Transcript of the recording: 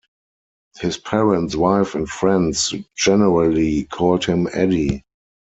His parents, wife, and friends generally called him Eddie.